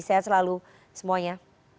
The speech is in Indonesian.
sehat selalu semuanya